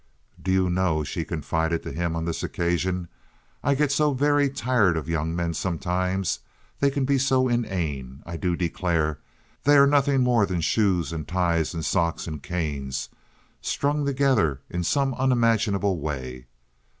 "Do you know," she confided to him, on this occasion, "I get so very tired of young men sometimes. They can be so inane. I do declare, they are nothing more than shoes and ties and socks and canes strung together in some unimaginable way.